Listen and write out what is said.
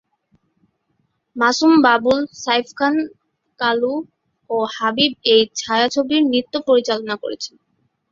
মাসুম বাবুল, সাইফ খান কালু ও হাবিব এই ছায়াছবির নৃত্য পরিচালনা করেছেন।